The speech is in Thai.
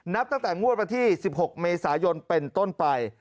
นับตั้งแต่งวดวันที่๑๖เมษายนเป็นต้นไป